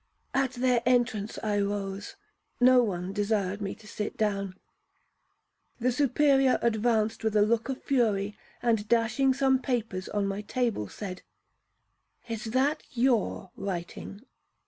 At their entrance I rose,—no one desired me to sit down. The Superior advanced with a look of fury, and, dashing some papers on my table, said, 'Is that your writing?'